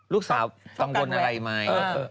ลูกสาวกังวลอะไรไหม